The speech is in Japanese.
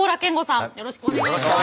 よろしくお願いします。